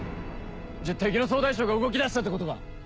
じゃ敵の総大将が動き出したってことか？